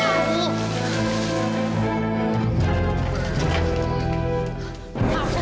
kalau ada apa apa gimana